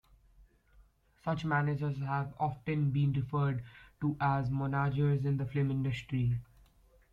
Such managers have often been referred to as "momagers" in the film industry.